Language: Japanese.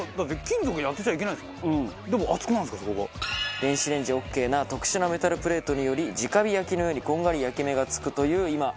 電子レンジオーケーな特殊なメタルプレートにより直火焼きのようにこんがり焼き目がつくという今売れまくっているグッズです。